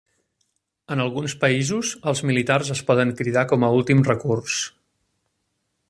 En alguns països, els militars es poden cridar com a últim recurs.